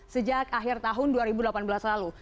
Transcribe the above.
sejak akhir tahun dua ribu delapan belas lalu